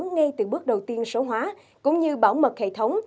ngay từ bước đầu tiên số hóa cũng như bảo mật hệ thống